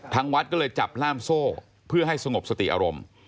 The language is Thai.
วัดก็เลยจับล่ามโซ่เพื่อให้สงบสติอารมณ์